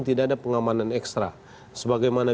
tidak ada pengamanan ekstra sebagaimana